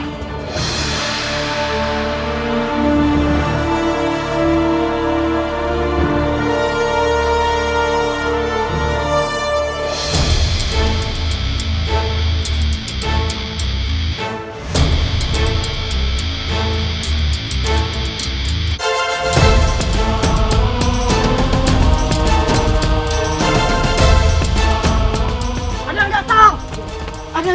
tentang siapa yang menjaganya